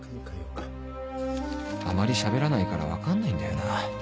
あまりしゃべらないから分かんないんだよな